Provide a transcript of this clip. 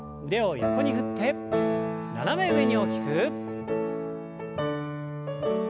腕を横に振って斜め上に大きく。